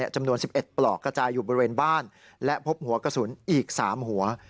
จำนวน๑๑ปลอกกระจายอยู่บริเวณบ้านและพบหัวกระสุนอีก๓หัว